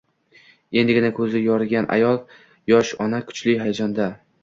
Endigina ko`zi yorigan yosh ona kuchli hayajonda